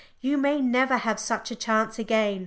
You may never have such a chance again.